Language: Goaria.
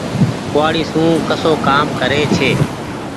ڪوُوآڙي سون ڪسو ڪآم ڪري ڇي۔